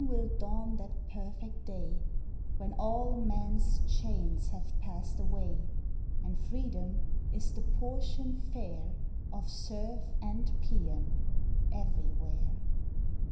will dawn that perfect day When all men s chains have passed away, And Freedom is the portion fair Of Serf and Peon everywhere!